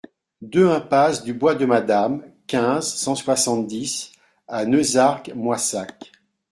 deux impasse du Bois de Madame, quinze, cent soixante-dix à Neussargues-Moissac